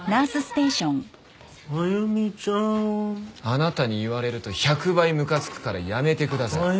あなたに言われると１００倍むかつくからやめてください。